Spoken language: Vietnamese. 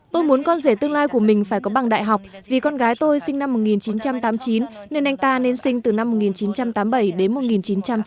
tôi muốn con rể tương lai của mình phải có bằng đại học vì con gái tôi sinh năm một nghìn chín trăm tám mươi chín nên anh ta nên sinh từ năm một nghìn chín trăm tám mươi bảy đến một nghìn chín trăm chín mươi